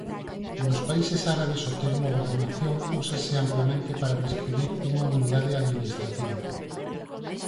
Nos países árabes o termo gobernación úsase amplamente para describir unha unidade administrativa.